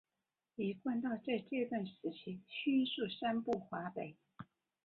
一贯道在这段时期迅速散布华北。